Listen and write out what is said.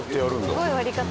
すごい割り方。